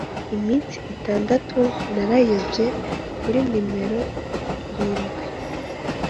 iminsi itandatu narayobye, - kuri nimero irindwi